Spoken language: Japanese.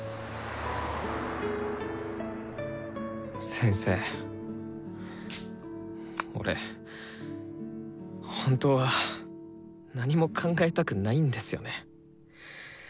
先生俺本当は何も考えたくないんですよね。